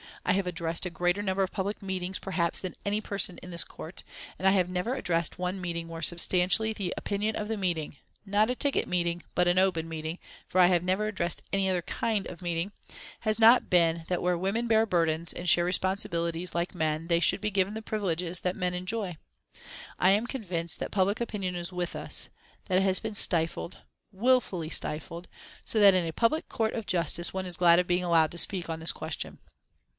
I have addressed a greater number of public meetings, perhaps, than any person in this court, and I have never addressed one meeting where substantially the opinion of the meeting not a ticket meeting, but an open meeting, for I have never addressed any other kind of a meeting has not been that where women bear burdens and share responsibilities like men they should be given the privileges that men enjoy. I am convinced that public opinion is with us that it has been stifled wilfully stifled so that in a public Court of Justice one is glad of being allowed to speak on this question."